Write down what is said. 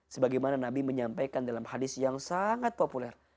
sebagaimana nabi menyampaikan dalam hadis yang sangat populer